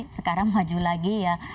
sekarang maju lagi ya